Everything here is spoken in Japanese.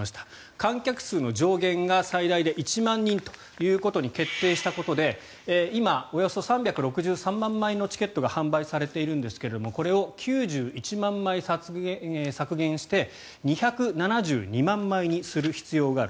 観客数の上限が最大で１万人と決定したことで今およそ３６３万枚のチケットが販売されているんですがこれを９１万枚削減して２７２万枚にする必要がある。